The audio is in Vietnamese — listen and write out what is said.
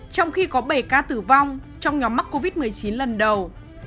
trong khi có bảy ca tử vong trong nhóm mắc covid một mươi chín lần đầu